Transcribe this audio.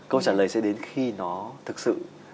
câu trả lời sẽ đến khi nó thực sự